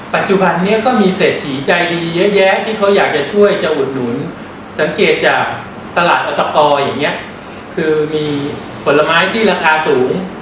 ปัจจุบันนี้ก็มีเศรษฐีใจดีเยอะแยะที่เขาอยากจะช่วยจะอุดหนุนสังเกตจากตลาดอัตกรอย่างนี้คือมีผลไม้ที่ราคาสูง